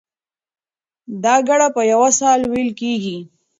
دا ګړه په یوه ساه وېل کېږي.